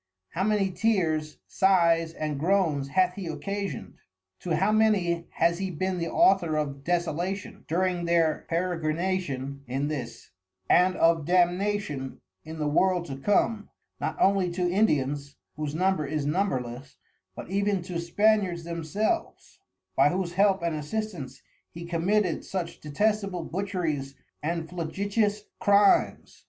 How many Tears, Sighs and Groans hath he occasion'd? To how many has he bin the Author of Desolation, during their Peregrination in this, and of Damnation in the World to come, not only to Indians, whose Number is numberless, but even to Spaniards themselves, by whose help and assistance he committed such detestable Butcheries and flagitious Crimes?